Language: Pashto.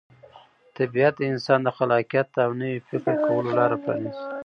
طبیعت د انسان د خلاقیت او نوي فکر کولو لاره پرانیزي.